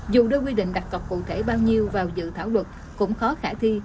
dù đưa quy định đặt cọc cụ thể bao nhiêu vào dự thảo luật cũng khó khả thi